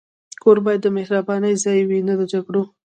کور باید د مهربانۍ ځای وي، نه د جګړو.